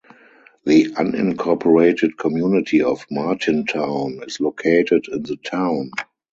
The unincorporated community of Martintown is located in the town.